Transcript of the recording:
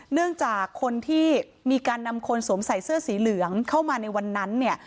เนื่องจากคนที่มีการนำคนสวมใส่เสื้อสีเหลืองเข้ามาในวันนั้นเนี่ย